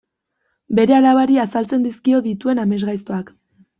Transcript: Bere alabari azaltzen dizkio dituen amesgaiztoak.